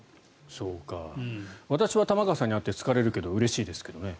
私は玉川さんに会って疲れるけどうれしいですけどね。